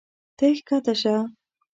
ته ښکته شه.